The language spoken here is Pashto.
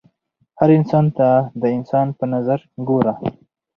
هر انسان ته د انسان په نظر ګوره